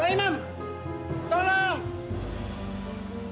saya masih memang hidup